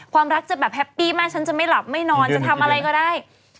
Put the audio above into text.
ความรักจะแบบแฮปปี้มากฉันจะไม่หลับไม่นอนจะทำอะไรก็ได้